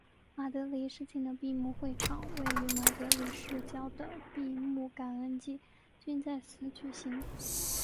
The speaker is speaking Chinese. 马德里世青的闭幕会场位于马德里市郊的的闭幕感恩祭均在此举行。